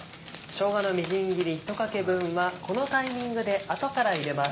しょうがのみじん切り１かけ分はこのタイミングで後から入れます。